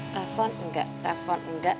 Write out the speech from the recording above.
telfon enggak telfon enggak